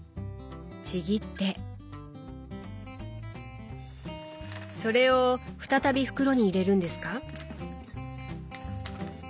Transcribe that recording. ちぎってそれを再び袋に入れるんですか？